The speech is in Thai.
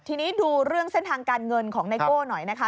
ทีนี้ดูเรื่องเส้นทางการเงินของไนโก้หน่อยนะคะ